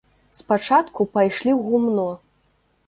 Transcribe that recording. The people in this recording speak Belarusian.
Спачатку пайшлі ў гумно.